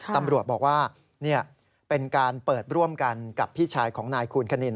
ตำรวจบอกว่าเป็นการเปิดร่วมกันกับพี่ชายของนายคูณคณิน